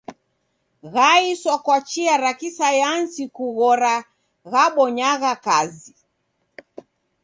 Gheiswa kwa chia ra kisayansi kughora ghabonyagha kazi.